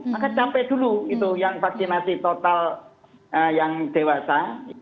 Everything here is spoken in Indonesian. maka capek dulu itu yang vaksinasi total yang dewasa